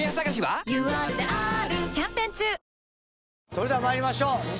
それでは参りましょう。